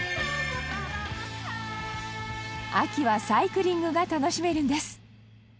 秋はサイクリングが楽しめるんです